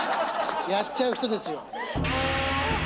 やっちゃう人ですよ。